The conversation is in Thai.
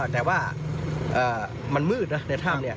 แต่ว่ามันมืดนะในถ้ำ